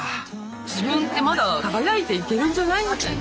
自分ってまだ輝いていけるんじゃないみたいな。